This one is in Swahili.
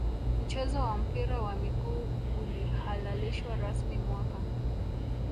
mchezo wa mpira wa miguu ulihalalishwa rasmi mwaka